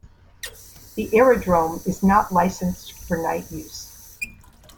The aerodrome is not licensed for night use.